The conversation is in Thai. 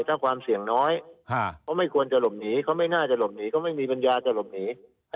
ถ้าความเสี่ยงน้อยเขาไม่ควรจะหลบหนีเขาไม่น่าจะหลบหนีเขาไม่มีปัญญาจะหลบหนี